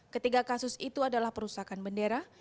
ketiga kasus itu adalah perusakan bendera